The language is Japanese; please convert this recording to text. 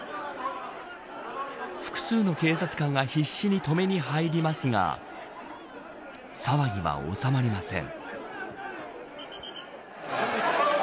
複数の警察官が必死に止めに入りますが騒ぎは収まりません。